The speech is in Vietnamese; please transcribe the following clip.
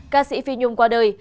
ca sĩ phi nhung qua đời